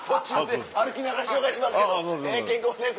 歩きながら紹介しますけどケンコバです。